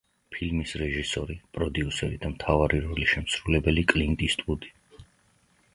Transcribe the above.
ფილმის რეჟისორი, პროდიუსერი და მთავარი როლის შემსრულებელია კლინტ ისტვუდი.